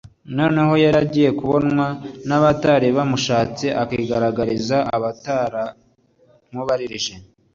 noneho yari agiye kubonwa n'abatari baramushatse akigaragariza abataramubaririje'-.